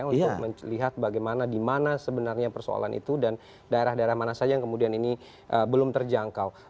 untuk melihat bagaimana di mana sebenarnya persoalan itu dan daerah daerah mana saja yang kemudian ini belum terjangkau